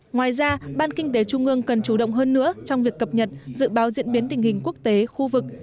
ngoài ra ban kinh tế trung ương cần chủ động hơn nữa trong việc cập nhật dự báo diễn biến tình hình quốc tế khu vực